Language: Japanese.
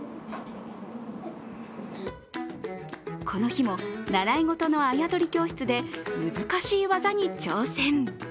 この日も、習い事のあやとり教室で難しい技に挑戦。